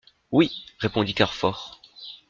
Oui, répondit Carfor.